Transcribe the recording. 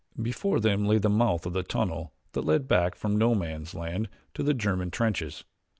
Before them lay the mouth of the tunnel that led back from No Man's Land to the German trenches.